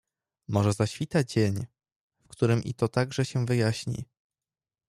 "Może zaświta dzień, w którym i to także się wyjaśni."